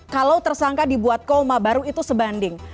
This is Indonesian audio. kalau tersangka dibuat koma baru itu sebanding